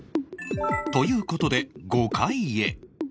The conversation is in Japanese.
という事で５階へ